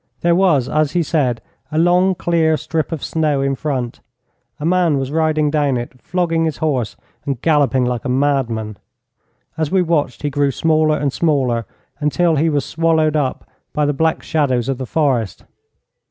There was, as he said, a long, clear strip of snow in front. A man was riding down it, flogging his horse and galloping like a madman. As we watched, he grew smaller and smaller, until he was swallowed up by the black shadows of the forest.